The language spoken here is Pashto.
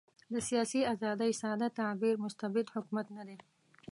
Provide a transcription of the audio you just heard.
د سیاسي آزادۍ ساده تعبیر مستبد حکومت نه دی.